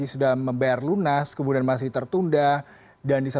itu termasuk di puncak musim panas di saudi arabia